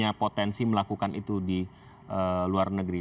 orang indonesia yang punya potensi melakukan itu di luar negeri